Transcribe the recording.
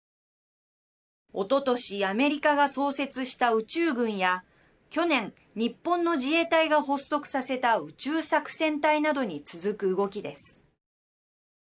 おととしアメリカが創設した宇宙軍や去年、日本の自衛隊が発足させた宇宙作戦隊などに続く動きです。